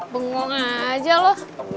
bengong aja lo